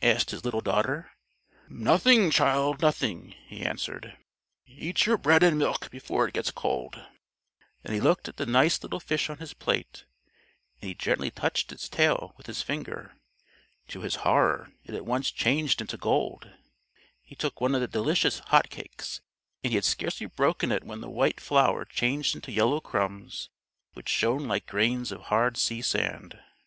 asked his little daughter. "Nothing, child, nothing," he answered; "eat your bread and milk before it gets cold." Then he looked at the nice little fish on his plate, and he gently touched its tail with his finger. To his horror it at once changed into gold. He took one of the delicious hot cakes, and he had scarcely broken it when the white flour changed into yellow crumbs which shone like grains of hard sea sand.